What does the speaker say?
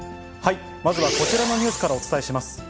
まずはこちらのニュースからお伝えします。